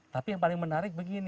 tapi yang paling menarik begini